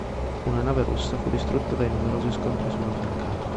Una nave russa fu distrutta dai numerosi scontri su una fiancata.